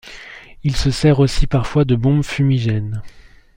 Il se sert aussi parfois de bombes fumigènes.